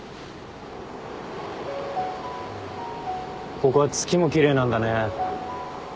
ここは月も奇麗なんだね。